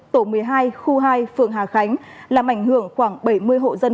tổ một mươi hai khu hai phường hà khánh làm ảnh hưởng khoảng bảy mươi hộ dân